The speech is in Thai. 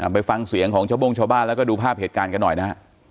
ไปฟังเสียงของชาวโม่งชาวบ้านแล้วก็ดูภาพเหตุการณ์กันหน่อยนะฮะ